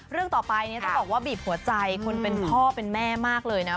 เรื่องต่อไปเนี่ยต้องบอกว่าบีบหัวใจคนเป็นพ่อเป็นแม่มากเลยนะ